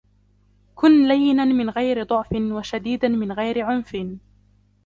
كن ليناً من غير ضعف وشديداً من غير عنف.